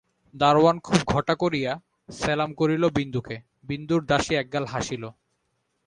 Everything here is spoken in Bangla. দারোয়ান খুব ঘটা করিয়া সেলাম করিল বিন্দুকে, বিন্দুর দাসী একগাল হাসিল।